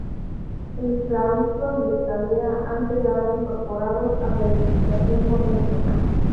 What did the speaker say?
Esta claustro y escalera han quedado incorporados a la edificación moderna.